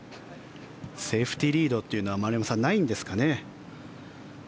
セーフティーリードというのは、ないんですかね？